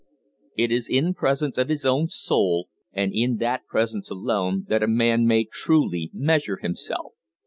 It is in presence of his own soul and in that presence alone that a man may truly measure himself.